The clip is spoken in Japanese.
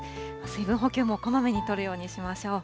水分補給もこまめにとるようにしましょう。